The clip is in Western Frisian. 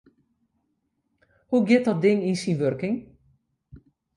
Hoe giet dat ding yn syn wurking?